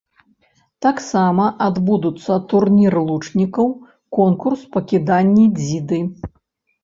Таксама адбудуцца турнір лучнікаў, конкурс па кіданні дзіды.